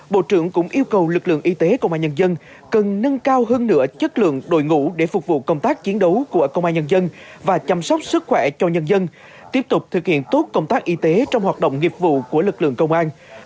bộ trưởng cũng yêu cầu lực lượng y tế công an nhân dân cần nâng cao hơn nửa chất lượng đội ngũ để phục vụ công tác chiến đấu của công an nhân dân và chăm sóc sức khỏe cho nhân dân tiếp tục thực hiện tốt công tác y tế trong hoạt động nghiệp vụ của lực lượng công an